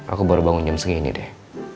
aku baru bangun jam segini deh